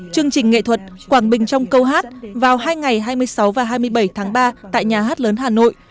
chương trình nghệ thuật quảng bình trong câu hát vào hai ngày hai mươi sáu và hai mươi bảy tháng ba tại nhà hát lớn hà nội